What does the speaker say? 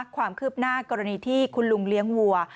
ความคืบหน้ากรณีที่คุณลุงเลี้ยงวัว